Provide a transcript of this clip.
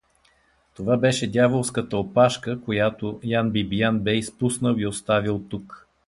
Това беше дяволската опашка, която Ян Бибиян бе изпуснал и оставил тук.